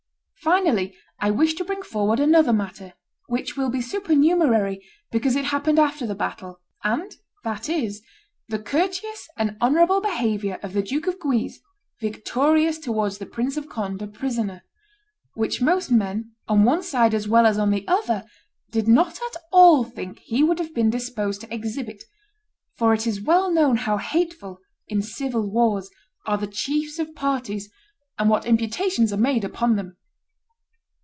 ... Finally I wish to bring forward another matter, which will be supernumerary because it happened after the battle; and that is, the courteous and honorable behavior of the Duke of Guise victorious towards the Prince of Conde a prisoner; which most men, on one side as well as on the other, did not at all think he would have been disposed to exhibit, for it is well known how hateful, in civil wars, are the chiefs of parties, and what imputations are made upon them.